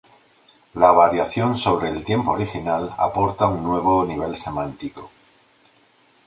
La variación sobre el tiempo original aporta un nuevo nivel semántico.